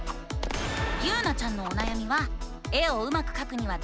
ゆうなちゃんのおなやみは「絵をうまくかくにはどうすればいいの？」